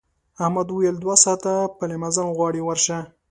احمد وویل دوه ساعته پلی مزل غواړي ورشه.